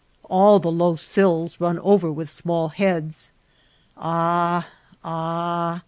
All the low sills run over with small heads. Ah, ah